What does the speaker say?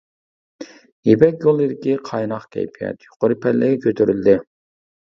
«يىپەك يولى» دىكى قايناق كەيپىيات يۇقىرى پەللىگە كۆتۈرۈلدى.